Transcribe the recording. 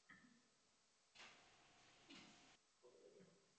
Beso‘zligi barchaga ma’qul…